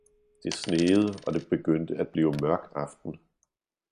det sneede og det begyndte at blive mørk aften.